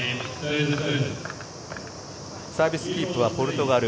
サービスキープはポルトガル。